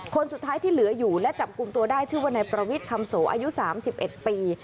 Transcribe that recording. คนสุดท้ายที่เหลืออยู่และจับกลุ่มตัวได้ชื่อว่านายประวิทย์คำโสอายุ๓๑ปี